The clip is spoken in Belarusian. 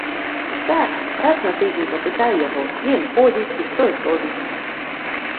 Так, раз на тыдзень папытае яго, дзе ён ходзіць і што ён робіць.